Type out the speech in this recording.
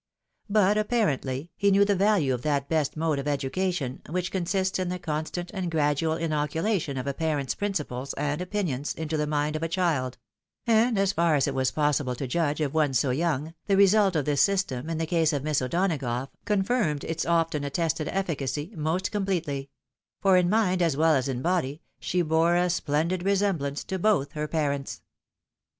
But, apparently, he knew the value of that best mode of education, which consists in the constant and gradual inoculation of a parent's principles and opinions into the mind of a child ; and, as far as it w^ possible to judge of one so young, the result of this system in the case of Miss O'Dona gough, confirmed its often attested efficacy most completely ; for in mind, as well as in body, she bore a blended resemblance to both her parents.